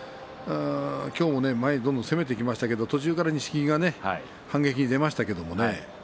今日も前に、どんどん攻めていきましたけれども途中、錦木が反撃に出ましたけれどもね。